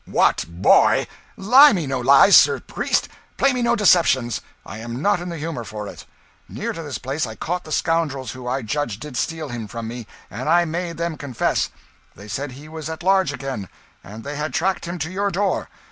"What boy! Lie me no lies, sir priest, play me no deceptions! I am not in the humour for it. Near to this place I caught the scoundrels who I judged did steal him from me, and I made them confess; they said he was at large again, and they had tracked him to your door.